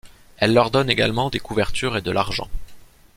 Elle leur donne également des couvertures et de l'argent.